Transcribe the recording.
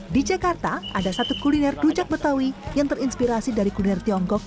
di jakarta ada satu kuliner rujak betawi yang terinspirasi dari kuliner tiongkok